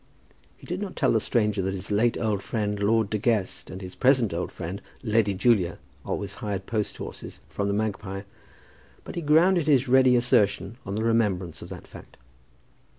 He did not tell the stranger that his late old friend, Lord De Guest, and his present old friend, Lady Julia, always hired post horses from "The Magpie," but he grounded his ready assertion on the remembrance of that fact.